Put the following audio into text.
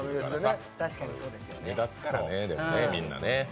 目立つからね、みんなね。